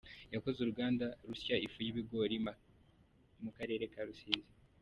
Yakoze uruganda rusya ifu y’ibigori Mukarere Karusizi